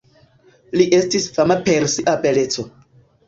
Li estis fama per sia beleco.